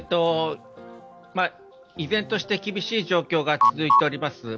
依然として厳しい状況が続いております。